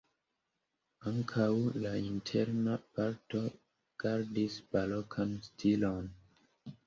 Ankaŭ la interna parto gardis barokan stilon.